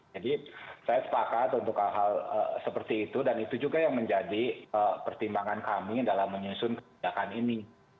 jadi saya sepakat untuk hal hal seperti itu dan itu juga yang menjadi pertimbangan kami dalam menyusun kebijakan ini